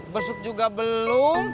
besuk juga belum